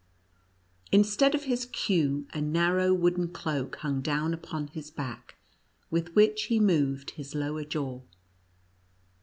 Instead of his queue, a narrow wooden cloak hung down upon his back, with which he moved his lower jaw.